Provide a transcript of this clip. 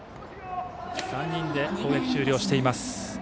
３人で攻撃が終了しています。